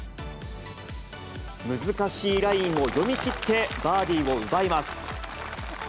難しいラインを読みきって、バーディーを奪います。